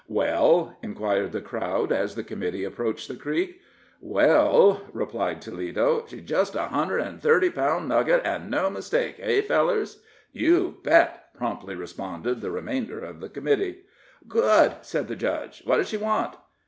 "Well?" inquired the crowd, as the committee approached the creek. "Well," replied Toledo, "she's just a hundred an' thirty pound nugget, an' no mistake hey, fellers?" "You bet," promptly responded the remainder of the committee. "Good!" said the judge. "What does she want?"